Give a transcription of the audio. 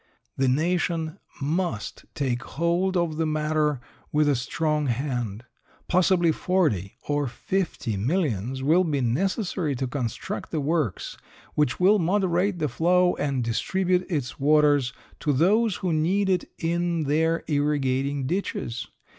The nation must take hold of the matter with a strong hand. Possibly forty or fifty millions will be necessary to construct the works which will moderate the flow and distribute its waters to those who need it in their irrigating ditches.